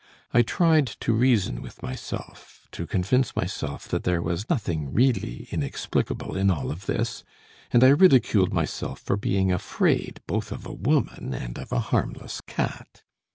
I tried to reason with myself, to convince myself that there was nothing really inexplicable in all of this, and I ridiculed myself for being afraid both of a woman and of a harmless cat.